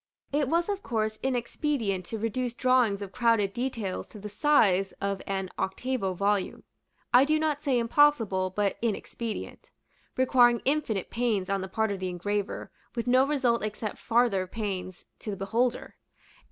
It was of course inexpedient to reduce drawings of crowded details to the size of an octavo volume, I do not say impossible, but inexpedient; requiring infinite pains on the part of the engraver, with no result except farther pains to the beholder.